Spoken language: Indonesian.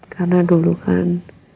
karena dulu kan